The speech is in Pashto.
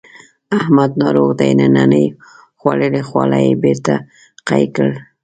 احمد ناروغ دی ننني خوړلي خواړه یې بېرته قی کړل.